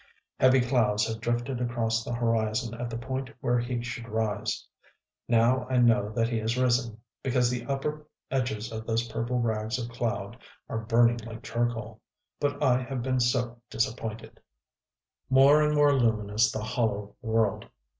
Heavy clouds have drifted across the horizon at the point where he should rise.... Now I know that he has risen; because the upper edges of those purple rags of cloud are burning like charcoal. But I have been so disappointed! More and more luminous the hollow world.